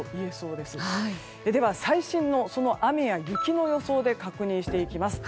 では、最新の予報雨や雪の予報を確認していきます。